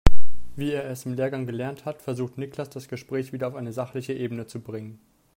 Wie er es im Lehrgang gelernt hat, versucht Niklas das Gespräch wieder auf eine sachliche Ebene zu bringen.